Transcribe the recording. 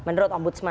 menurut om busman